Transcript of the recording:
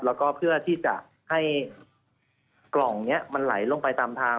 แล้วก็เพื่อที่จะให้กล่องนี้มันไหลลงไปตามทาง